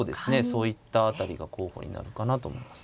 そういった辺りが候補になるかなと思います。